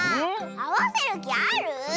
あわせるきある？